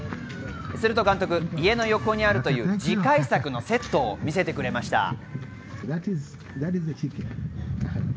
すると監督、家の横にあるという次回作のセットを見せてくれました。